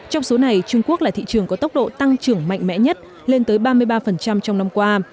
trong số này trung quốc là thị trường có tốc độ tăng trưởng mạnh mẽ nhất lên tới ba mươi ba trong năm qua